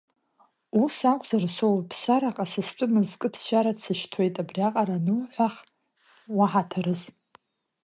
Ус акәзар, Соуиԥсараҟа са стәы мызкы ԥсшьара дсышьҭуеит, абриаҟара ануҳәах, уаҳаҭыраз.